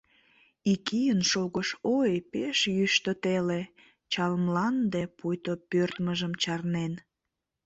Ик ийын шогыш, ой, пеш йӱштӧ теле, Чал Мланде пуйто пӧрдмыжым чарнен.